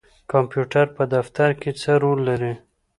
کمپیوټر په دفتر کې څه رول لري؟